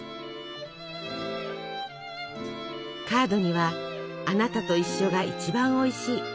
カードには「あなたと一緒が一番おいしい」。